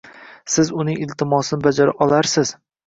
siz uning iltimosini bajara olarsiz.